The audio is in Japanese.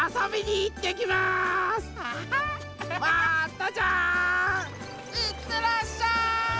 いってらっしゃい！